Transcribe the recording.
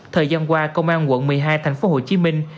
thời gian qua công an quận một mươi hai thành phố hồ chí minh